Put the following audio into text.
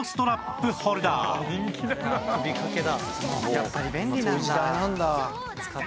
やっぱり便利なんだ。